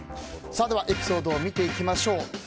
エピソードを見ていきましょう。